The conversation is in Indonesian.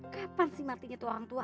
kapan sih matinya tuh orang tua